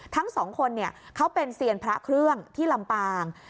ทั้งสองคนเขาเป็นเซียนพระเครื่องที่ลำปาง